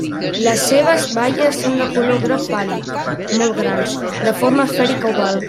Les seues baies són de color groc pàl·lid, molt grans, de forma esfèrica oval.